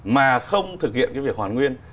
mà không thực hiện cái việc hoàn nguyên